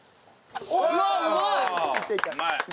うわっうまい！